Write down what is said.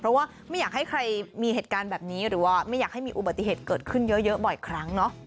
เพราะว่าไม่อยากให้ใครมีเหตุการณ์แบบนี้หรือว่าไม่อยากให้มีอุบัติเหตุเกิดขึ้นเยอะบ่อยครั้งเนาะ